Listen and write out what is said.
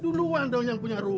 duluan dong yang punya rumah